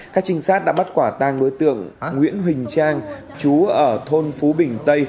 các trinh sát đã bắt quả tang đối tượng nguyễn huỳnh trang chú ở thôn phú bình tây